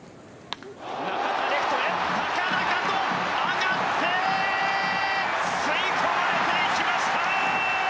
レフトへ高々と上がって吸い込まれていきました！